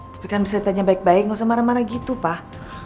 tapi kan bisa ditanya baik baik gak usah marah marah gitu pak